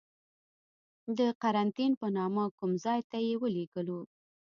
د قرنتین په نامه کوم ځای ته یې ولیږلو.